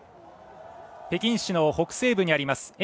北京市の北西部にあります